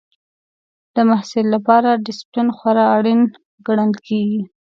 د محصل لپاره ډسپلین خورا اړین ګڼل کېږي.